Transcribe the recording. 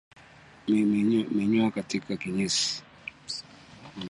Minyoo katika kinyesi